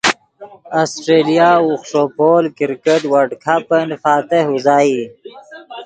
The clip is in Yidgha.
آسٹریلیا اوخݰو پول کرکٹ ورلڈ کپن فاتح اوزائی